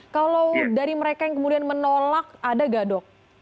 kalau dari mereka yang kemudian menolak ada nggak dok